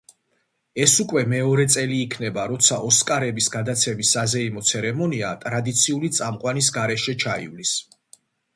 ეს უკვე მეორე წელი იქნება, როცა „ოსკარების“ გადაცემის საზეიმო ცერემონია ტრადიციული წამყვანის გარეშე ჩაივლის.